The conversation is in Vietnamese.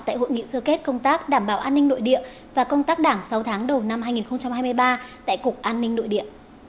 tại hội nghị sơ kết công tác đảm bảo an ninh nội địa và công tác đảng sáu tháng đầu năm hai nghìn hai mươi ba tại cục an ninh nội địa